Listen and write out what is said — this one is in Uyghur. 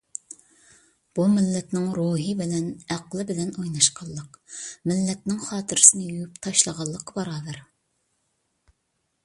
بۇ مىللەتنىڭ روھى بىلەن، ئەقلى بىلەن ئويناشقانلىق، مىللەتنىڭ خاتىرىسىنى يۇيۇپ تاشلىغانلىققا باراۋەر.